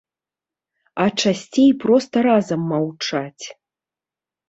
А часцей проста разам маўчаць.